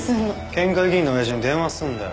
県会議員のおやじに電話するんだよ。